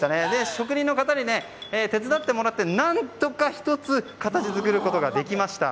職人の方に手伝ってもらって何とか１つ形作ることができました。